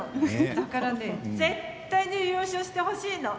だからね、絶対に優勝してほしいの。